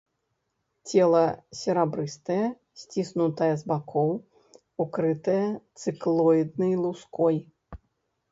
Цела серабрыстае, сціснутае з бакоў, укрытае цыклоіднай луской.